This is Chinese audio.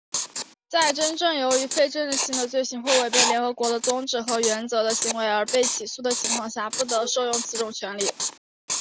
在真正由于非政治性的罪行或违背联合国的宗旨和原则的行为而被起诉的情况下,不得援用此种权利。